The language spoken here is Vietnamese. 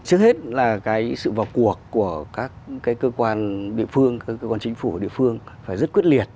trước hết là cái sự vào cuộc của các cơ quan địa phương các cơ quan chính phủ địa phương phải rất quyết liệt